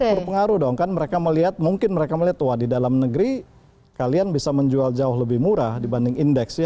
berpengaruh dong kan mereka melihat mungkin mereka melihat wah di dalam negeri kalian bisa menjual jauh lebih murah dibanding indeks